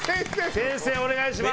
先生お願いします。